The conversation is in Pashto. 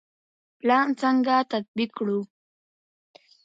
پلان څنګه تطبیق کړو؟